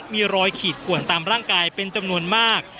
มีรอยขีดขวนตามร่างกายเป็นจำนวนมาก